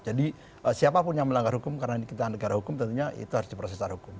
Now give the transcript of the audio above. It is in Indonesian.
jadi siapapun yang melanggar hukum karena dikendalikan negara hukum tentunya itu harus diproseskan hukum